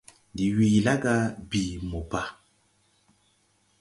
Ndi wii laa ga bii mo pa.